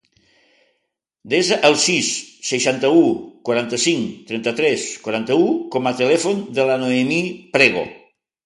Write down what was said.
Desa el sis, seixanta-u, quaranta-cinc, trenta-tres, quaranta-u com a telèfon de la Noemí Prego.